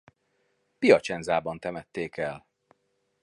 Piacenzában temették el.